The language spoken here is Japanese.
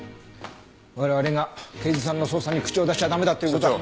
我々が刑事さんの捜査に口を出しちゃ駄目だっていう事は。